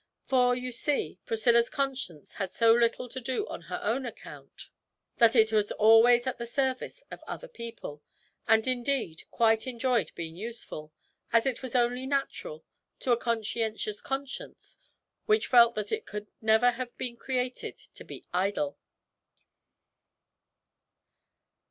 For, you see, Priscilla's conscience had so little to do on her own account that it was always at the service of other people, and indeed quite enjoyed being useful, as was only natural to a conscientious conscience which felt that it could never have been created to be idle.